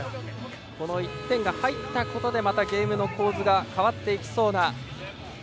この１点が入ったことでまたゲームの構図が変わっていきそうな予選